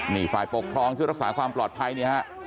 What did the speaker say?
นี่ฝ่ายปกครองช่วยรักษาความปลอดภัยนี่ฮะ